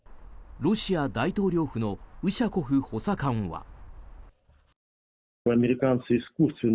ロシア大統領府のウシャコフ補佐官は。